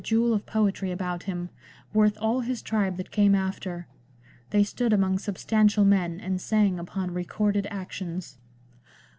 jewel of poetry about him, worth all his tribe that came after. They stood among substantial men, and sang upon recorded actions."